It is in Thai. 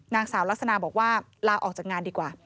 นางสาวลักษณะบอกว่าลาออกจากงานดีกว่า